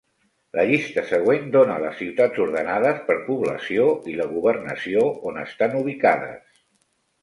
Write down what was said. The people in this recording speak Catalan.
La llista següent dóna les ciutats ordenades per població i la governació on estan ubicades.